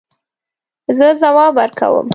زه ځواب ورکوم